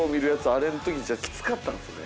あれのときじゃあきつかったんすね？